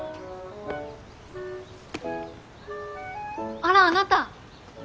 あらあなた。